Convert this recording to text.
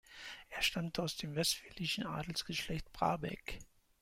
Er stammte aus dem westfälischen Adelsgeschlecht Brabeck.